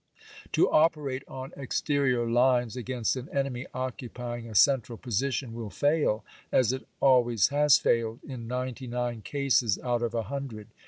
To operate on exterior lines against an enemy occupying a cen tral position will fail, as it always has failed, in ninety nine cases out of a hundred.